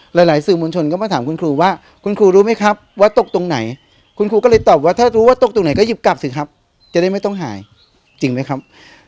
หลายสื่อมวลชนก็มาถามคุณครูว่าคุณครูรู้ไหมครับว่าตกตรงไหนคุณครูก็เลยตอบว่าถ้ารู้ว่าตกตรงไหนก็หยิบกลับสิครับจะได้ไม่ต้องหายจริงไหมครับ